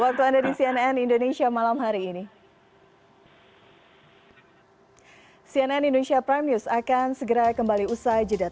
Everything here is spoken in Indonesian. waktu anda di cnn indonesia malam hari ini